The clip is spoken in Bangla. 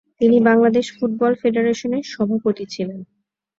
তিনি বাংলাদেশ ফুটবল ফেডারেশনের সভাপতি ছিলেন।